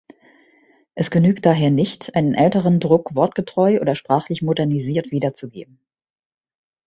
Es genügt daher nicht, einen älteren Druck wortgetreu oder sprachlich modernisiert wiederzugeben.